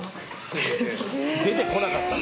「出て来なかった」